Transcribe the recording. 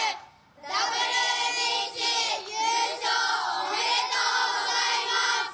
ＷＢＣ優勝おめでとうございます。